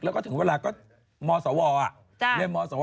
แล้วก็ถึงเวลาก็มศวเรียนมสว